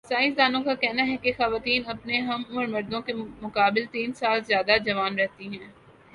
science دانوں کا کہنا ہے کہ خواتین اپنے ہم عمر مردوں کے مدمقابل تین سال زیادہ جوان رہتی ہے